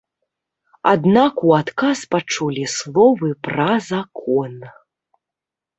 Аднак у адказ пачулі словы пра закон.